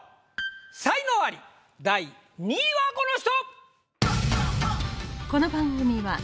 才能アリ第２位はこの人！